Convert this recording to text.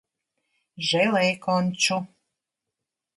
Želejkonču...